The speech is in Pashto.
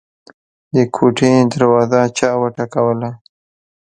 د کوټې دروازه چا وټکوله.